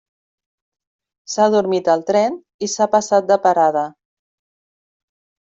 S'ha adormit al tren i s'ha passat de parada.